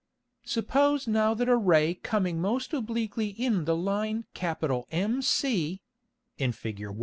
Suppose now that a Ray coming most obliquely in the Line MC [in _Fig.